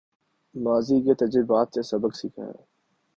ماضی کے تجربات سے سبق سیکھا ہے